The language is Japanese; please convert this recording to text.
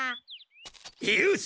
よし！